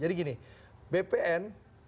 jadi gini bpn